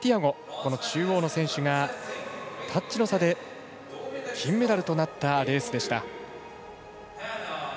この中央の選手がタッチの差で金メダルとなったレースでした。